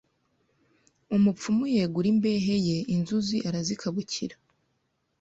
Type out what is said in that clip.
Umupfumu yegura imbehe ye inzuzi arazikabukira